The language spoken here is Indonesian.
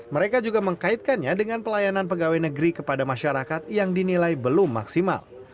mereka juga mengkaitkannya dengan pelayanan pegawai negeri kepada masyarakat yang dinilai belum maksimal